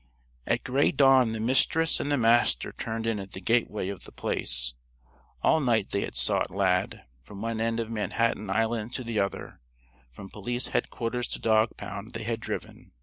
At gray dawn the Mistress and the Master turned in at the gateway of The Place. All night they had sought Lad; from one end of Manhattan Island to the other from Police Headquarters to dog pound they had driven.